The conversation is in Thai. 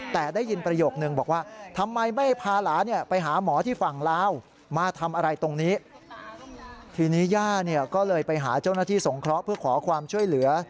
แต่ได้ยินประโยคนึงบอกว่าทำไมไม่พาหลานไปหาหมอที่ฝั่งลาวมาทำอะไรตรงนี้ทีนี้ย่าเนี่ยก็เลยไปหาเจ้าหน้าที่สงเคราะห์เพื่อขอความช่วยเหลือ